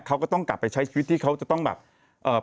เขาก็ต้องกลับไปใช้ชีวิตที่เขาจะต้องแบบเอ่อ